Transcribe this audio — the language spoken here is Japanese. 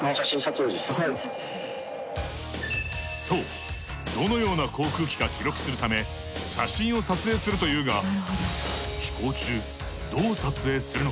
そうどのような航空機か記録するため写真を撮影するというが。